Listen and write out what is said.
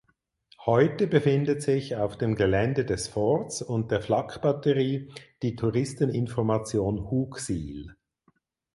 Heute befindet sich auf dem Gelände des Forts und der Flakbatterie die Touristeninformation Hooksiel.